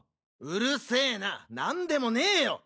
うるせな何でもねよ！